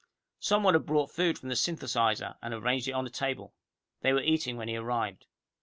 Someone had brought food from the synthetizer, and arranged it on a table. They were eating when he arrived.